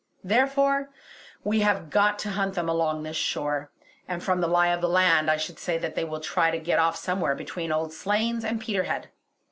Therefore, we have got to hunt them along this shore; and from the lie of the land I should say that they will try to get off somewhere between Old Slains and Peterhead.